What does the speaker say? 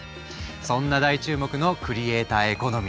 そんな大注目のクリエイターエコノミー。